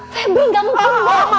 feby gak mau pembawa